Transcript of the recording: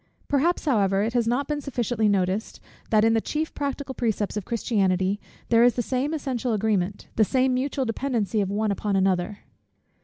Perhaps, however, it has not been sufficiently noticed, that in the chief practical precepts of Christianity, there is the same essential agreement, the same mutual dependency of one upon another.